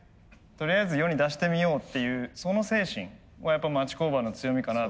とりあえず世に出してみようっていうその精神はやっぱ町工場の強みかなと思います。